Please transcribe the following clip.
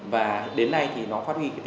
và đến nay thì nó phát triển rất là lâu rồi